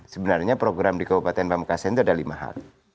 sebenarnya program di kabupaten pamekasan itu ada lima hal